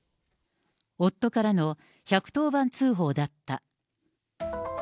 夫からの１１０番通報だった。